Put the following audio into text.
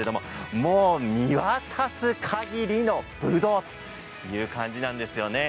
もう見渡す限りのぶどう、という感じなんですね。